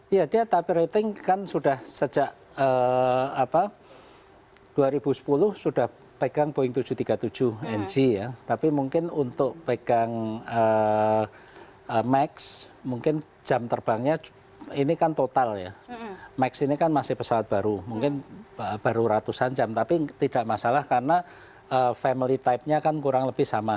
ya dia type rating kan sudah sejak dua ribu sepuluh sudah pegang boeing tujuh ratus tiga puluh tujuh ng ya tapi mungkin untuk pegang max mungkin jam terbangnya ini kan total ya max ini kan masih pesawat baru mungkin baru ratusan jam tapi tidak masalah karena family type nya kan kurang lebih sama